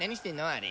あれ。